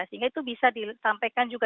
sehingga itu bisa disampaikan juga